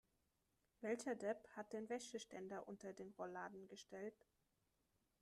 Welcher Depp hat den Wäscheständer unter den Rollladen gestellt?